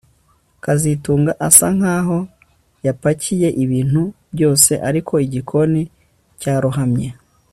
kazitunga asa nkaho yapakiye ibintu byose ariko igikoni cyarohamye